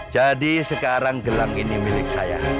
jadi sekarang gelang ini milik saya